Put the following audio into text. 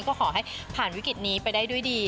ก็ขอให้ผ่านวิกฤตนี้ไปได้ด้วยดี